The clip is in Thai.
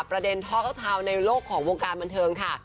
ประเด็นทอล์กท้าวในโลกของวงการบันเทิงค่ะ